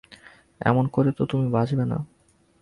এমন করে তো তুমি বাঁচবে না।